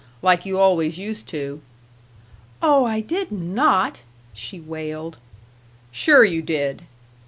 Like you always used to." "Oh, I did not!" she wailed. "Sure you did."